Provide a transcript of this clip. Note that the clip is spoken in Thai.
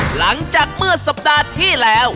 หลังจากเมื่อสัปดาห์ที่แล้ว